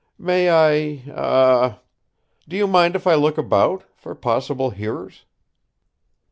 May I ah h h do you mind if I look about, for possible hearers?"